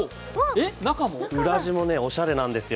裏地もおしゃれなんですよ。